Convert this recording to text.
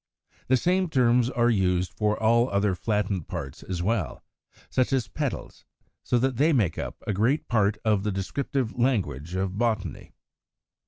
The same terms are used for all other flattened parts as well, such as petals; so that they make up a great part of the descriptive language of Botany.